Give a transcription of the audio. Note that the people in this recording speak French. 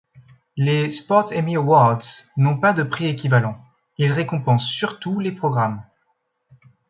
Les Sports Emmy Awards n'ont pas de prix équivalent, ils récompensent surtout les programmes.